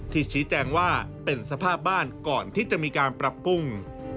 ชี้แจงว่าเป็นสภาพบ้านก่อนที่จะมีการปรับปรุง